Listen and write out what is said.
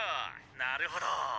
「なるほど！」